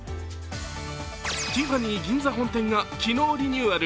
ティファニー銀座本店が昨日リニューアル。